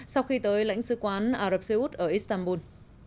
sau khi tới lãnh sứ quán ả rập xê út ở istanbul